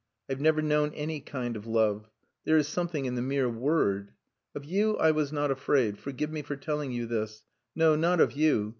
I've never known any kind of love. There is something in the mere word.... Of you, I was not afraid forgive me for telling you this. No, not of you.